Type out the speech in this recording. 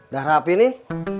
dah rapi nin